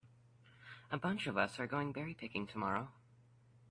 A bunch of us are going berry picking tomorrow.